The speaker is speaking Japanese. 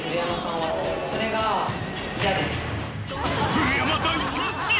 古山、大ピンチ！